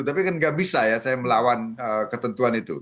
tapi kan nggak bisa ya saya melawan ketentuan itu